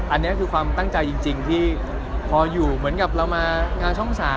อันนี้คือความตั้งใจจริงพอที่เขามาของเรา